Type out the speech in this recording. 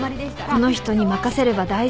この人に任せれば大丈夫。